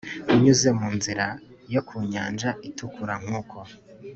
unyuze mu nzira yo ku nyanja itukura nk’uko